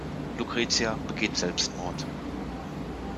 Lucretia begeht Selbstmord.